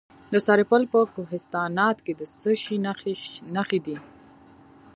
د سرپل په کوهستانات کې د څه شي نښې دي؟